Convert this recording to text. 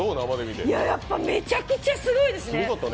やっぱめちゃくちゃすごいですね。